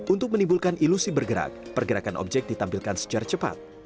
untuk menimbulkan ilusi bergerak pergerakan objek ditampilkan secara cepat